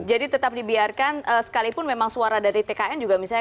jadi tetap dibiarkan sekalipun memang suara dari tkn juga misalnya